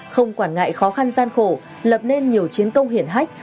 không quản ngại khó khăn gian khổ lập nên nhiều chiến công hiển hách